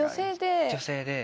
女性で。